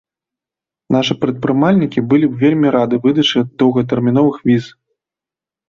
Нашы прадпрымальнікі былі б вельмі рады выдачы доўгатэрміновых віз.